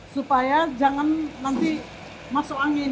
supaya jangan nanti masuk angin